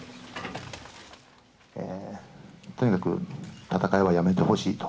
とにかく戦いはやめてほしいと。